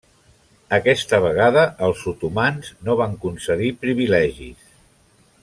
Aquesta vegada els otomans no van concedir privilegis.